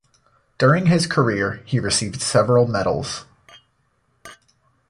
During his career, he received several medals.